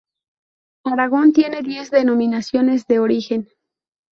Aragón tiene diez Denominaciones de Origen